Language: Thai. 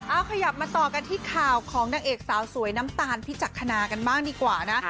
เอาขยับมาต่อกันที่ข่าวของนางเอกสาวสวยน้ำตาลพิจักษณากันบ้างดีกว่านะ